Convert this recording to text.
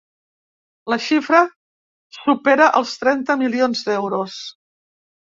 La xifra supera els trenta milions d’euros.